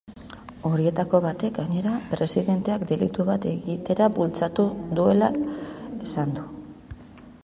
Horietako batek, gainera, presidenteak delitu bat egitera bultzatu zuela esan du.